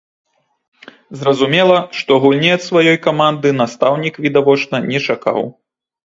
Зразумела, што гульні ад сваёй каманды настаўнік відавочна не чакаў.